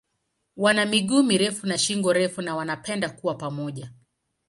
Wana miguu mirefu na shingo refu na wanapenda kuwa pamoja.